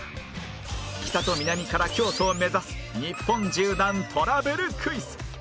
北と南から京都を目指す日本縦断トラベルクイズ